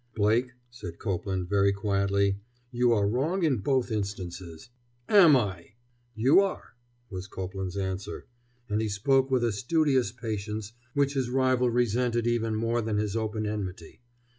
"Blake," said Copeland, very quietly, "you are wrong in both instances." "Am I!" "You are," was Copeland's answer, and he spoke with a studious patience which his rival resented even more than his open enmity.